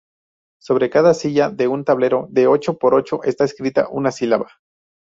Sobre cada casilla de un tablero de ocho por ocho está escrita una sílaba.